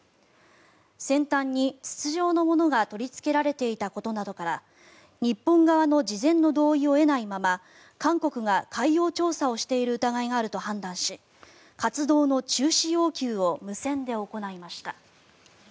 先端に筒状のものが取りつけられていたことから日本側の事前の同意を得ないまま韓国が海洋調査をしている疑いがあると判断し活動の中止要求を無線で行いました。